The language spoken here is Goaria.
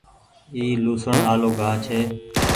اي لهوسڻ آلو گآه ڇي۔